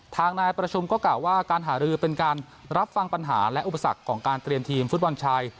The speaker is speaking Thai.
ทางนายประชุมก็กล่าวว่าการหารือเป็นการรับฟังปัญหาและอุปสรรคของการเตรียมทีมฟุตบอลชาย